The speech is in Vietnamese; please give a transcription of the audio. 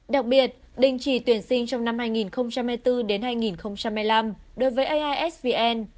đặc biệt đình chỉ tuyển sinh trong năm hai nghìn hai mươi bốn hai nghìn hai mươi năm đối với aisvn